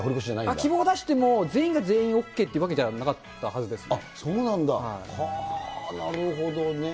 希望を出しても、全員が全員ＯＫというわけではなかったはずですね。